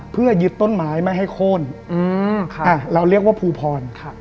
เพื่อยึดต้นไม้ไม่ให้โค่นอืมค่ะอ่าเราเรียกว่าภูพรค่ะ